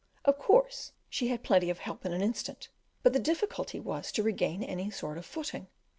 Of course, she had plenty of help in an instant, but the difficulty was to regain any sort of footing.